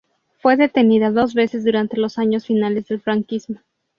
Fue detenida dos veces durante los años finales del franquismo.